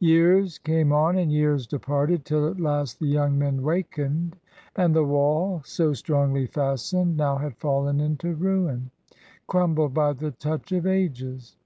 Years came on, and years departed; Till at last the young men wakened; And the wall, so strongly fastened, Now had fallen into ruin, Crumbled by the touch of ages.